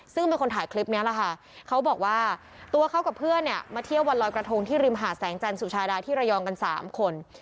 ซึ่งเป็นคนถ่ายคลิปนี้แหละค่ะเขาบอกว่าตัวเขากับเพื่อนเนี่ยมาเที่ยววันลอยกระทงที่ริมหาดแสงจันทร์สุชาดาที่ระยองกัน๓คน